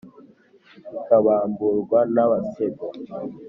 Ikabamburwa n’Abasengo